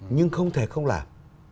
nhưng không thể không làm